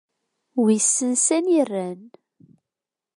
Wissen sani i rran.